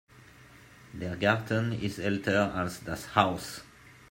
Der Garten ist älter als das Haus.